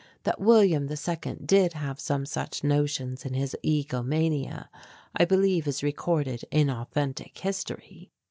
That William II did have some such notions in his egomania I believe is recorded in authentic history.